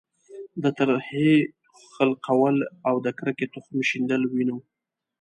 د ترهې خلقول او د کرکې تخم شیندل وینو.